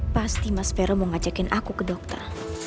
pasti mas peru mau ngajakin aku ke dokter